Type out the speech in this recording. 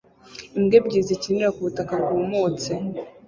imbwa ebyiri zikinira ku butaka bwumutse